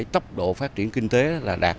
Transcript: tốc độ phát triển kinh tế đạt